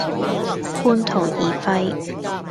半途而廢